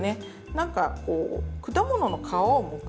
なんかこう果物の皮をむく。